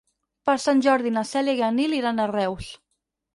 Per Sant Jordi na Cèlia i en Nil iran a Reus.